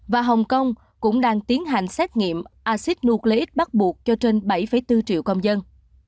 và hồng kông cũng đang tiến hành xét nghiệm acid nucleic bắt buộc cho trên bảy bốn triệu công dân